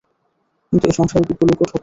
কিন্তু এ সংসারে বিজ্ঞ লোকও ঠকে।